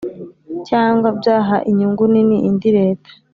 cyangwa byaha inyungu nini indi Leta